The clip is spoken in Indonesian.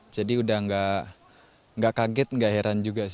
jadi udah enggak kaget enggak heran juga